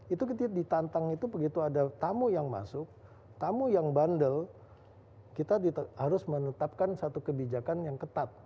itu ketika ditantang itu begitu ada tamu yang masuk tamu yang bandel kita harus menetapkan satu kebijakan yang ketat